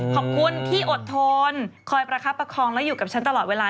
ขอบคุณที่อดทนคอยประคับประคองแล้วอยู่กับฉันตลอดเวลา